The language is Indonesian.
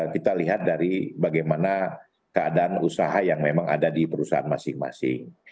kita lihat dari bagaimana keadaan usaha yang memang ada di perusahaan masing masing